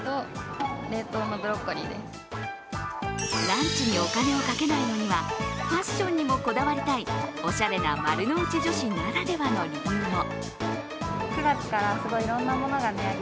ランチにお金をかけないのにはファッションにもこだわりたいおしゃれな丸の内女子ならではの理由も。